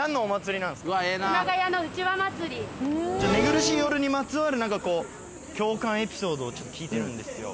寝苦しい夜にまつわる共感エピソードをちょっと聞いてるんですよ。